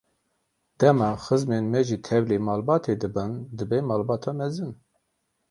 Dema xizmên me jî tevlî malbatê dibin, dibe malbata mezin.